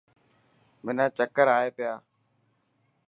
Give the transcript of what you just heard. منا چڪر آئي پيا.